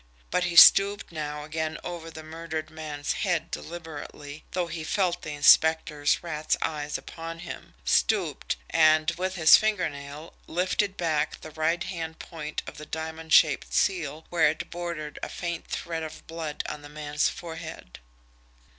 But he stooped now again over the murdered man's head deliberately, though he felt the inspector's rat's eyes upon him stooped, and, with his finger nail, lifted back the right hand point of the diamond shaped seal where it bordered a faint thread of blood on the man's forehead.